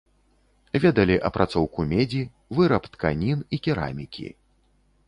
Ведалі апрацоўку медзі, выраб тканін і керамікі.